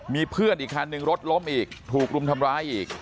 มีเพื่อนอีกคันนึงรถล้มอีกถูกรุมทำร้ายอีก